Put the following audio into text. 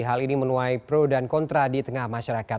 hal ini menuai pro dan kontra di tengah masyarakat